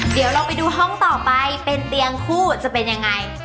เดี๋ยวเราไปดูห้องต่อไปเป็นเตียงคู่จะเป็นยังไง